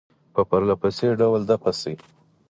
په پرله پسې ډول دفع شي.